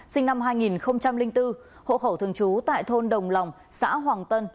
sinh năm hai nghìn bốn hộ khẩu thường trú tại thôn đồng lòng xã hoàng tân